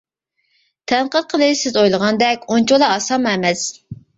تەنقىد قىلىش سىز ئويلىغاندەك ئۇنچىۋالا ئاسانمۇ ئەمەس.